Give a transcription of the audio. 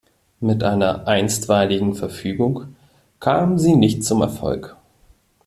Mit einer Einstweiligen Verfügung kamen sie nicht zum Erfolg.